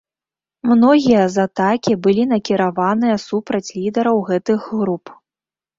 Многія з атакі былі накіраваныя супраць лідараў гэтых груп.